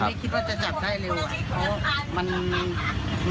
ผมดีจร้าวว่าจะออกเหกวะ